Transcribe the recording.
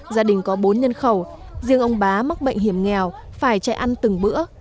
gia đình có bốn nhân khẩu riêng ông bá mắc bệnh hiểm nghèo phải chạy ăn từng bữa